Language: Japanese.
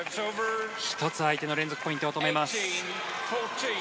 １つ相手の連続ポイントを止めます。